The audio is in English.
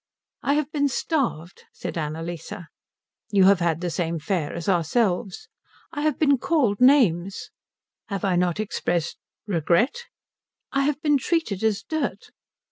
"I have been starved," said Annalise. "You have had the same fare as ourselves." "I have been called names." "Have I not expressed regret?" "I have been treated as dirt."